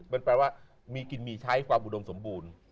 มันแปลว่ามีกินมีใช้ความอุดมสมบูรณ์